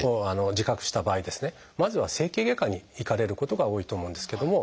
まずは整形外科に行かれることが多いと思うんですけども。